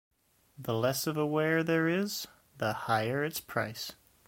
The less of a ware there is, the higher its price.